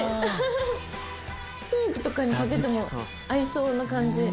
ステーキとかにかけても合いそうな感じ。